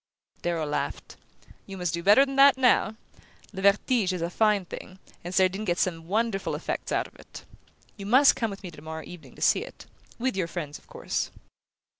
Darrow laughed. "You must do better than that now. 'Le Vertige' is a fine thing, and Cerdine gets some wonderful effects out of it. You must come with me tomorrow evening to see it with your friends, of course.